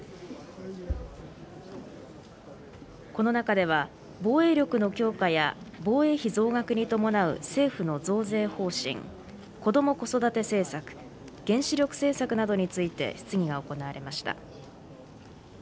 この中では、防衛力の強化や防衛費増額に伴う政府の増税方針、こども・子育て政策、原子力政策などについて質疑が行われました。